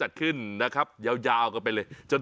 สุดยอดน้ำมันเครื่องจากญี่ปุ่น